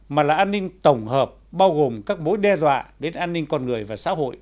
mà là an ninh tổng hợp bao gồm các mối đe dọa đến an ninh con người và xã hội